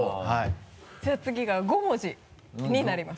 じゃあ次が５文字になります。